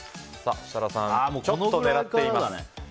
設楽さん、ちょっと狙っています。